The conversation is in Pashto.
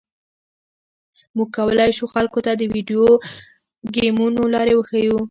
موږ کولی شو خلکو ته د ویډیو ګیمونو لارې وښیو